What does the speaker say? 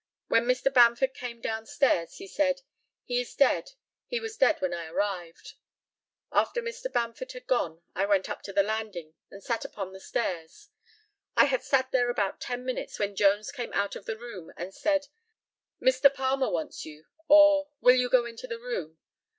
When Mr. Bamford came down stairs he said, "He is dead: he was dead when I arrived." After Mr. Bamford had gone I went up to the landing, and sat upon the stairs. I had sat there about ten minutes when Jones came out of the room, and said, "Mr. Palmer wants you," or "Will you go into the room?"